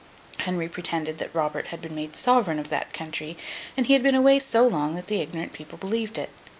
Henry pretended that Robert had been made Sovereign of that country; and he had been away so long, that the ignorant people believed it.